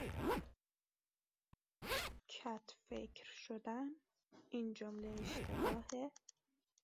کتفکر شدن